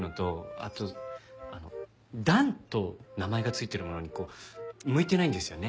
あとあの「団」と名前が付いてるものにこう向いてないんですよね。